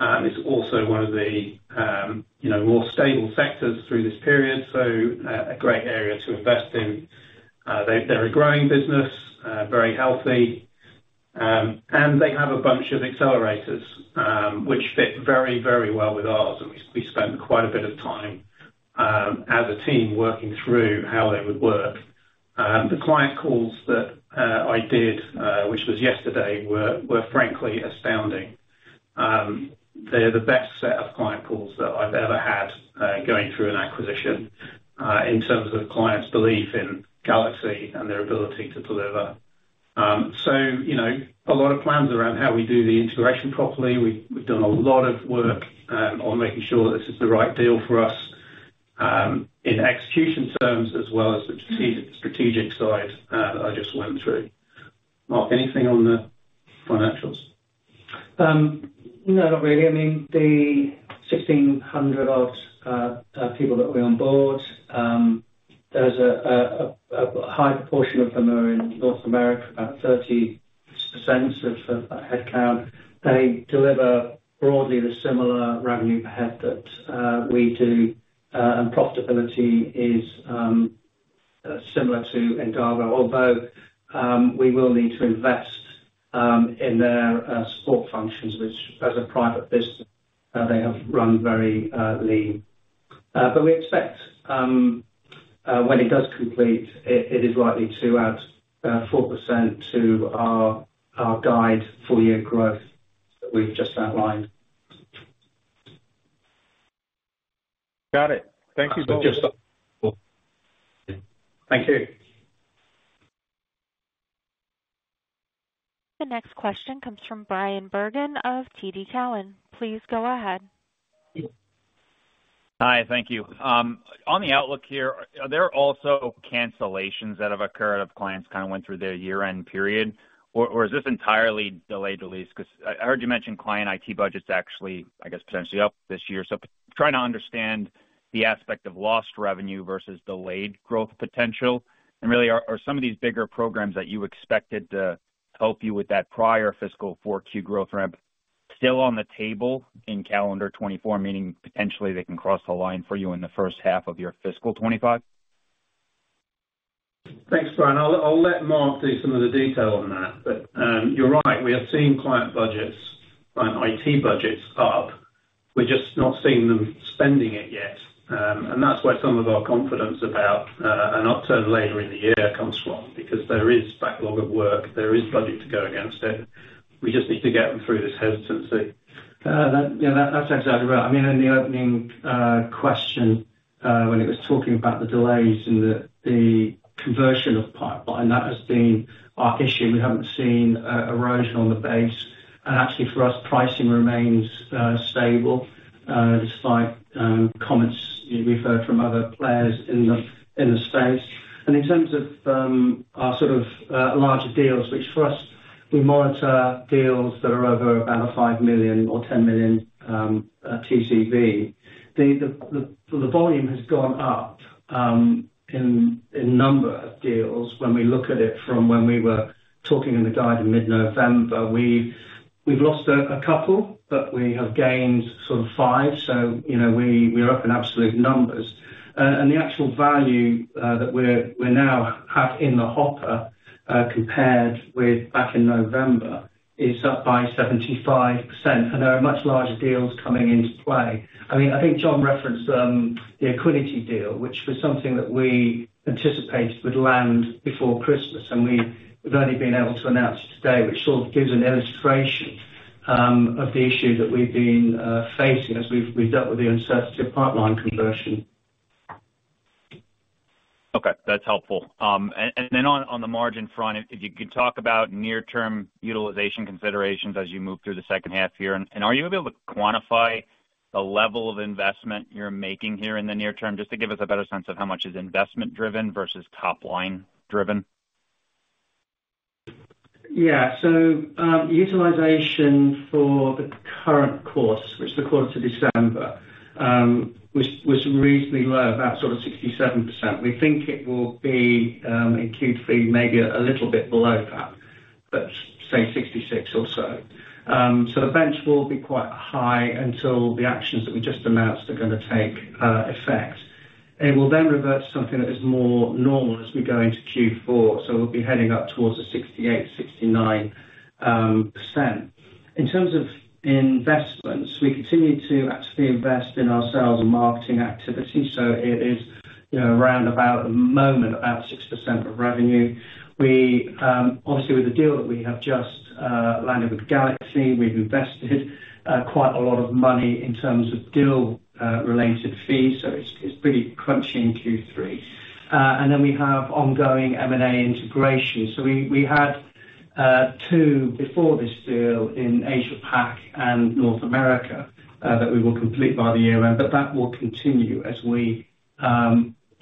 It's also one of the more stable sectors through this period, so a great area to invest in. They're a growing business, very healthy, and they have a bunch of accelerators which fit very, very well with ours. And we spent quite a bit of time as a team working through how they would work. The client calls that I did, which was yesterday, were frankly astounding. They're the best set of client calls that I've ever had going through an acquisition in terms of clients' belief in GalaxE and their ability to deliver. So a lot of plans around how we do the integration properly. We've done a lot of work on making sure that this is the right deal for us in execution terms as well as the strategic side that I just went through. Mark, anything on the financials? No, not really. I mean, the 1,600-odd people that we're on board, there's a high proportion of them who are in North America, about 30% of headcount. They deliver broadly the similar revenue per head that we do, and profitability is similar to Endava, although we will need to invest in their support functions, which as a private business, they have run very lean. We expect, when it does complete, it is likely to add 4% to our guide full-year growth that we've just outlined. Got it. Thank you both. Thank you. The next question comes from Bryan Bergin of TD Cowen. Please go ahead. Hi. Thank you. On the outlook here, are there also cancellations that have occurred if clients kind of went through their year-end period, or is this entirely delayed release? Because I heard you mentioned client IT budget's actually, I guess, potentially up this year. So trying to understand the aspect of lost revenue versus delayed growth potential. And really, are some of these bigger programs that you expected to help you with that prior fiscal 4Q growth ramp still on the table in calendar 2024, meaning potentially they can cross the line for you in the first half of your fiscal 2025? Thanks, Bryan. I'll let Mark do some of the detail on that. But you're right. We are seeing client IT budgets up. We're just not seeing them spending it yet. And that's where some of our confidence about an upturn later in the year comes from because there is backlog of work. There is budget to go against it. We just need to get them through this hesitancy. Yeah. That's exactly right. I mean, in the opening question, when it was talking about the delays and the conversion of pipeline, that has been our issue. We haven't seen erosion on the base. And actually, for us, pricing remains stable despite comments we've heard from other players in the space. And in terms of our sort of larger deals, which for us, we monitor deals that are over about a 5 million or 10 million TCV, the volume has gone up in number of deals when we look at it from when we were talking in the guide in mid-November. We've lost a couple, but we have gained sort of 5. So we're up in absolute numbers. And the actual value that we now have in the hopper compared with back in November is up by 75%. And there are much larger deals coming into play. I mean, I think John referenced the equity deal, which was something that we anticipated would land before Christmas. And we've only been able to announce it today, which sort of gives an illustration of the issue that we've been facing as we've dealt with the uncertainty of pipeline conversion. Okay. That's helpful. Then on the margin front, if you could talk about near-term utilization considerations as you move through the second half here. And are you able to quantify the level of investment you're making here in the near term just to give us a better sense of how much is investment-driven versus topline-driven? Yeah. So utilization for the current quarter, which is the quarter to December, was reasonably low, about sort of 67%. We think it will be in Q3 maybe a little bit below that, but say 66 or so. So the bench will be quite high until the actions that we just announced are going to take effect. It will then revert to something that is more normal as we go into Q4. So we'll be heading up towards a 68%-69%. In terms of investments, we continue to actively invest in ourselves and marketing activity. So it is, at the moment, about 6% of revenue. Obviously, with the deal that we have just landed with GalaxE, we've invested quite a lot of money in terms of deal-related fees. So it's pretty crunchy in Q3. And then we have ongoing M&A integration. We had two before this deal in Asia-Pac and North America that we will complete by the year-end, but that will continue as we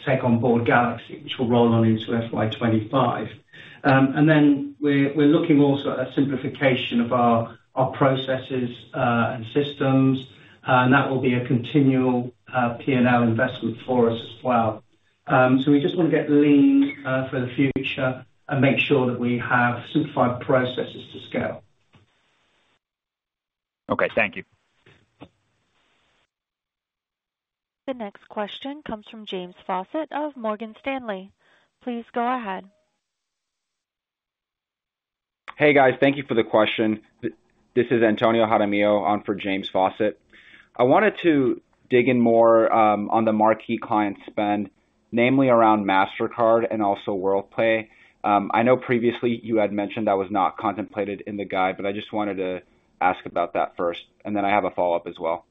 take on board GalaxE, which will roll on into FY 2025. Then we're looking also at a simplification of our processes and systems. That will be a continual P&L investment for us as well. We just want to get lean for the future and make sure that we have simplified processes to scale. Okay. Thank you. The next question comes from James Fawcett of Morgan Stanley. Please go ahead. Hey, guys. Thank you for the question. This is Antonio Jaramillo on for James Fawcett. I wanted to dig in more on the marquee client spend, namely around Mastercard and also Worldpay. I know previously you had mentioned that was not contemplated in the guide, but I just wanted to ask about that first. And then I have a follow-up as well.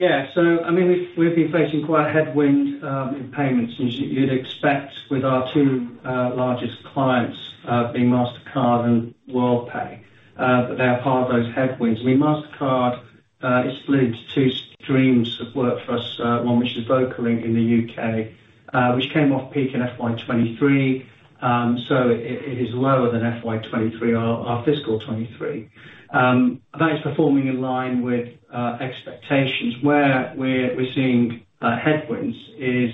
Yeah. So I mean, we've been facing quite a headwind in payments, as you'd expect with our two largest clients being Mastercard and Worldpay. But they are part of those headwinds. I mean, Mastercard is split into two streams of work for us, one which is Vocalink in the U.K., which came off peak in FY 2023. So it is lower than FY 2023, our fiscal 2023. That is performing in line with expectations. Where we're seeing headwinds is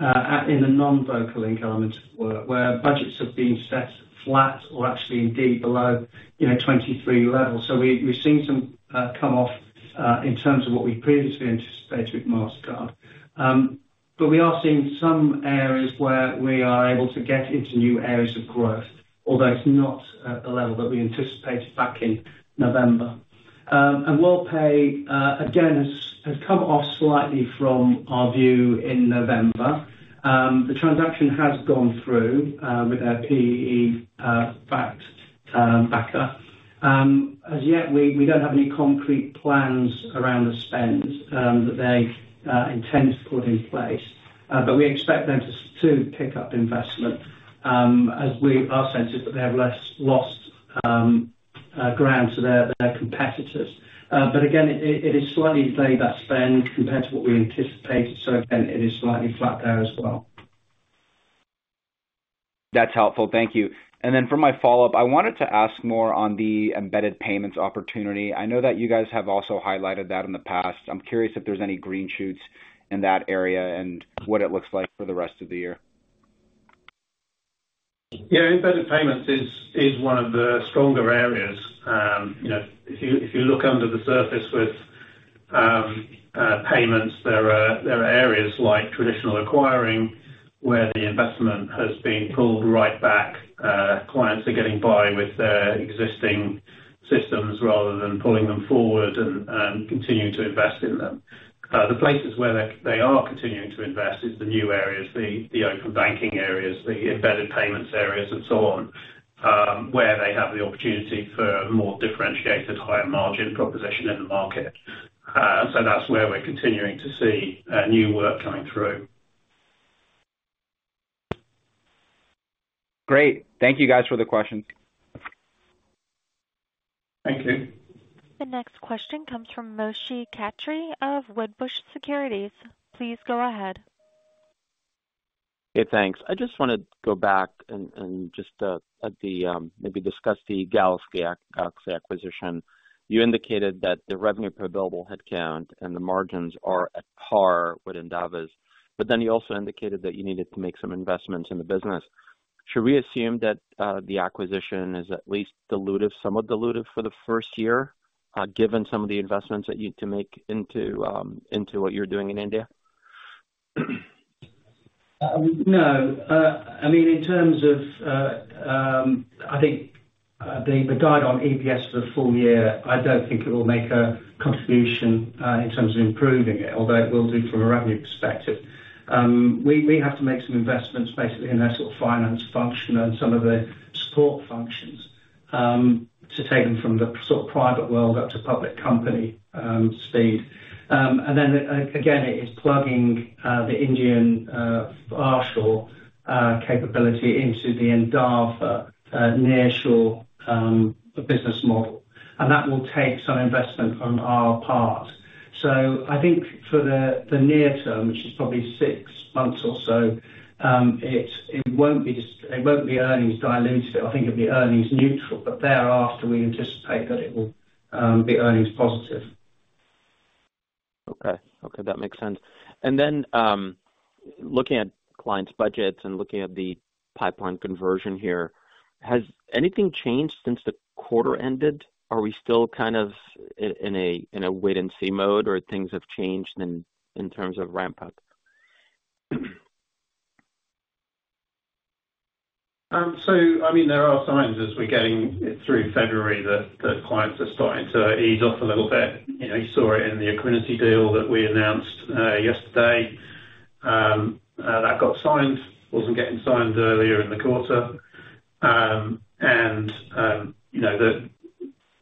in the non-Vocalink element of work where budgets have been set flat or actually indeed below 2023 levels. So we've seen some come off in terms of what we previously anticipated with Mastercard. But we are seeing some areas where we are able to get into new areas of growth, although it's not the level that we anticipated back in November. And Worldpay, again, has come off slightly from our view in November. The transaction has gone through with their PE backer. As yet, we don't have any concrete plans around the spends that they intend to put in place. But we expect them to pick up investment as our sense is that they have less lost ground to their competitors. But again, it is slightly delayed that spend compared to what we anticipated. So again, it is slightly flat there as well. That's helpful. Thank you. And then for my follow-up, I wanted to ask more on the embedded payments opportunity. I know that you guys have also highlighted that in the past. I'm curious if there's any green shoots in that area and what it looks like for the rest of the year. Yeah. Embedded payments is one of the stronger areas. If you look under the surface with payments, there are areas like traditional acquiring where the investment has been pulled right back. Clients are getting by with their existing systems rather than pulling them forward and continuing to invest in them. The places where they are continuing to invest is the new areas, the open banking areas, the embedded payments areas, and so on, where they have the opportunity for a more differentiated, higher margin proposition in the market. And so that's where we're continuing to see new work coming through. Great. Thank you, guys, for the questions. Thank you. The next question comes from Moshe Katri of Wolfe Research. Please go ahead. Hey, thanks. I just want to go back and just maybe discuss the GalaxE acquisition. You indicated that the revenue per billable headcount and the margins are at par with Endava's. But then you also indicated that you needed to make some investments in the business. Should we assume that the acquisition is at least dilutive, somewhat dilutive for the first year given some of the investments that you need to make into what you're doing in India? No. I mean, in terms of I think the guide on EPS for the full year, I don't think it will make a contribution in terms of improving it, although it will do from a revenue perspective. We have to make some investments basically in their sort of finance function and some of the support functions to take them from the sort of private world up to public company speed. And then again, it is plugging the Indian offshore capability into the Endava near-shore business model. And that will take some investment on our part. So I think for the near term, which is probably six months or so, it won't be earnings dilutive. I think it'll be earnings neutral. But thereafter, we anticipate that it will be earnings positive. Okay. Okay. That makes sense. Then looking at clients' budgets and looking at the pipeline conversion here, has anything changed since the quarter ended? Are we still kind of in a wait-and-see mode, or things have changed in terms of ramp-up? I mean, there are signs as we're getting through February that clients are starting to ease off a little bit. You saw it in the equity deal that we announced yesterday. That got signed. Wasn't getting signed earlier in the quarter. The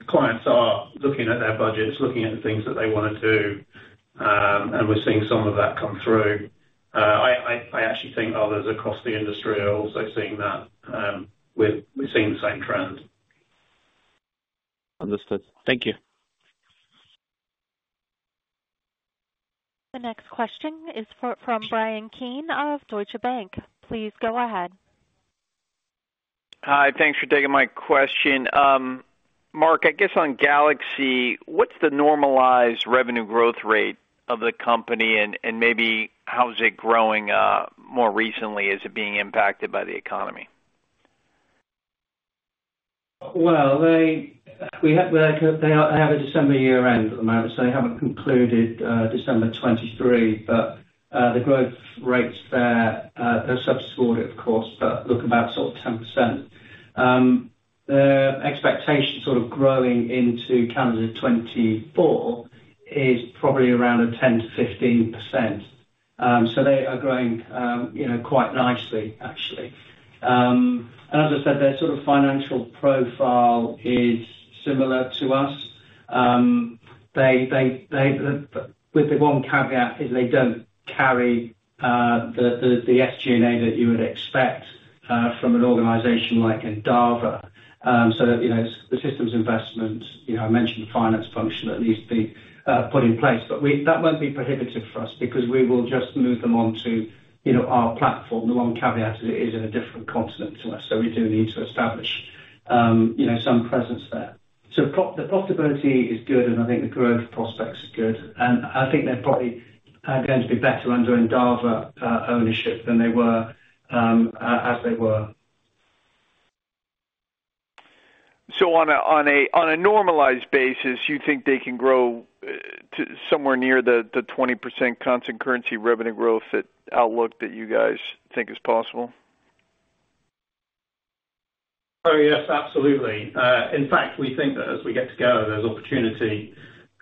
clients are looking at their budgets, looking at the things that they want to do. We're seeing some of that come through. I actually think others across the industry are also seeing that. We're seeing the same trend. Understood. Thank you. The next question is from Bryan Keane of Deutsche Bank. Please go ahead. Hi. Thanks for taking my question. Mark, I guess on GalaxE, what's the normalized revenue growth rate of the company? And maybe how's it growing more recently? Is it being impacted by the economy? Well, they have a December year-end at the moment. So they haven't concluded December 2023. But the growth rates there, they're sub-quarter, of course, but look about sort of 10%. Their expectation sort of growing into calendar 2024 is probably around a 10%-15%. So they are growing quite nicely, actually. And as I said, their sort of financial profile is similar to us. With the one caveat is they don't carry the SG&A that you would expect from an organization like Endava. So the systems investment, I mentioned the finance function that needs to be put in place. But that won't be prohibitive for us because we will just move them onto our platform. The one caveat is it is in a different continent to us. So we do need to establish some presence there. So the profitability is good. I think the growth prospects are good. I think they're probably going to be better under Endava ownership than they were as they were. So on a normalized basis, you think they can grow to somewhere near the 20% constant currency revenue growth outlook that you guys think is possible? Oh, yes. Absolutely. In fact, we think that as we get to go, there's opportunity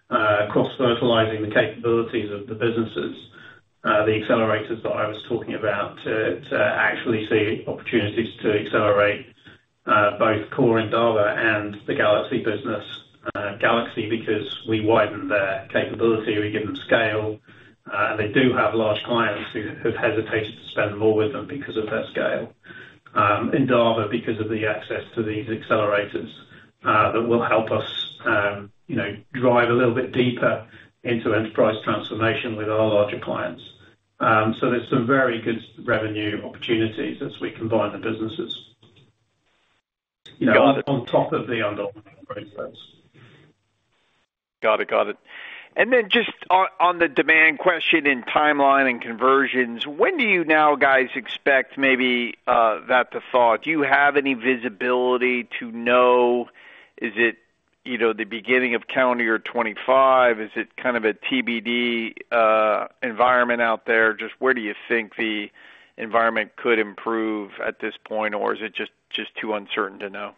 cross-fertilizing the capabilities of the businesses, the accelerators that I was talking about, to actually see opportunities to accelerate both core Endava and the GalaxE business. GalaxE because we widen their capability. We give them scale. And they do have large clients who have hesitated to spend more with them because of their scale. Endava because of the access to these accelerators that will help us drive a little bit deeper into enterprise transformation with our larger clients. So there's some very good revenue opportunities as we combine the businesses on top of the underlying process. Got it. Got it. Just on the demand question in timeline and conversions, when do you now, guys, expect maybe that to thaw? Do you have any visibility to know is it the beginning of calendar year 2025? Is it kind of a TBD environment out there? Just where do you think the environment could improve at this point? Or is it just too uncertain to know?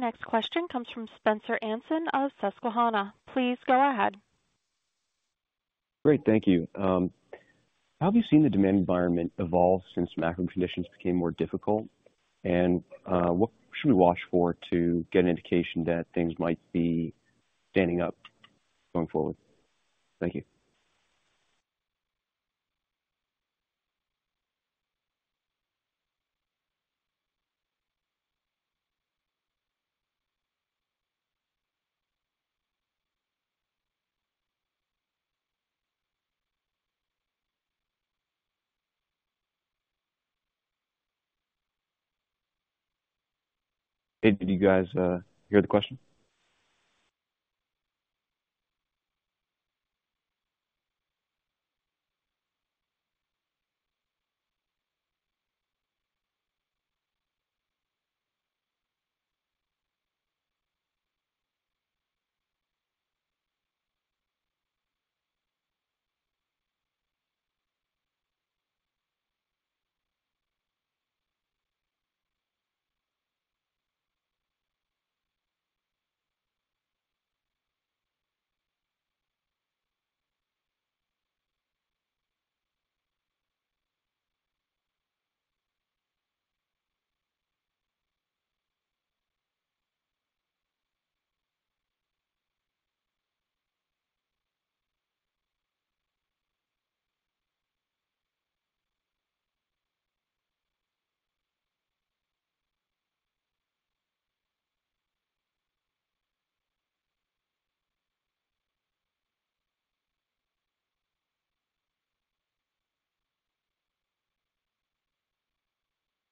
The next question comes from Spencer Anson of Susquehanna. Please go ahead. Great. Thank you. How have you seen the demand environment evolve since macro conditions became more difficult? And what should we watch for to get an indication that things might be standing up going forward? Thank you. Hey, did you guys hear the question?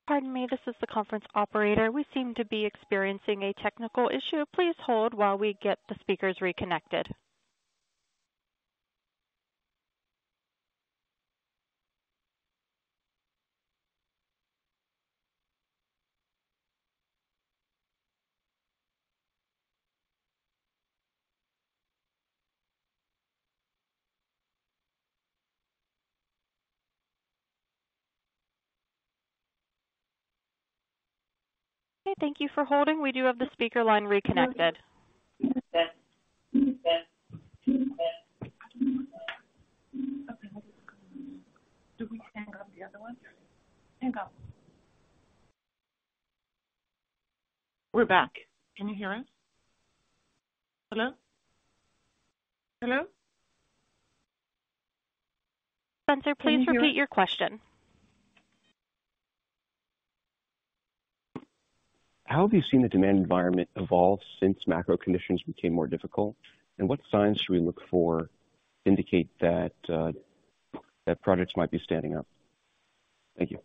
Pardon me. This is the conference operator. We seem to be experiencing a technical issue. Please hold while we get the speakers reconnected. Okay. Thank you for holding. We do have the speaker line reconnected. Okay. Do we hang up the other one? Hang up. We're back. Can you hear us? Hello? Hello? Spencer, please repeat your question. How have you seen the demand environment evolve since macro conditions became more difficult? And what signs should we look for to indicate that projects might be standing up? Thank you.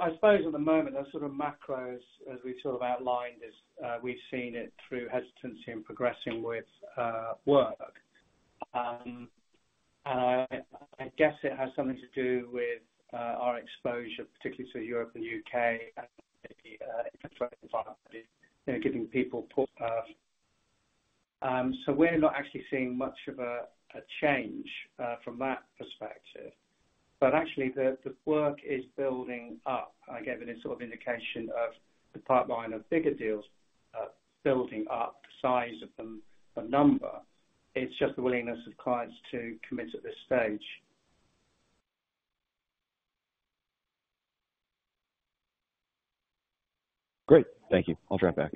I suppose at the moment, the sort of macro, as we sort of outlined, is we've seen it through hesitancy in progressing with work. I guess it has something to do with our exposure, particularly to Europe and the U.K. and the infrastructure environment, giving people push. We're not actually seeing much of a change from that perspective. Actually, the work is building up. I gave a sort of indication of the pipeline of bigger deals building up, the size of them, the number. It's just the willingness of clients to commit at this stage. Great. Thank you. I'll drop back.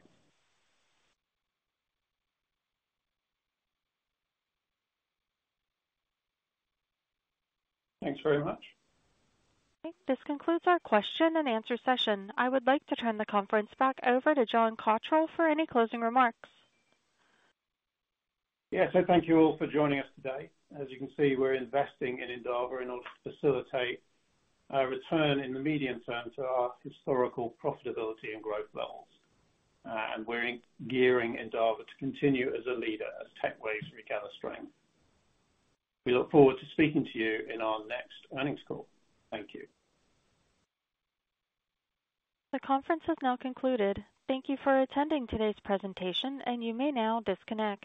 Thanks very much. Okay. This concludes our question and answer session. I would like to turn the conference back over to John Cotterell for any closing remarks. Yeah. So thank you all for joining us today. As you can see, we're investing in Endava in order to facilitate a return in the medium term to our historical profitability and growth levels. And we're gearing Endava to continue as a leader, as tech waves regather strength. We look forward to speaking to you in our next earnings call. Thank you. The conference has now concluded. Thank you for attending today's presentation. You may now disconnect.